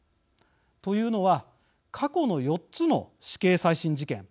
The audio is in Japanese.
というのは過去の４つの死刑再審事件。